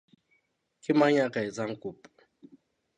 Ke mang ya ka etsang kopo?